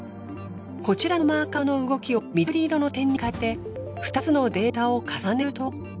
こちらのマーカーの動きを緑色の点に変えて２つのデータを重ねると。